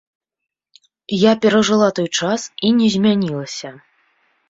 Я перажыла той час і не змянілася.